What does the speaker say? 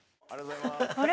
あれ？